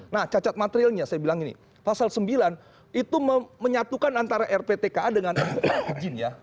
nah cacat materialnya saya bilang gini pasal sembilan itu menyatukan antara rptka dengan izin ya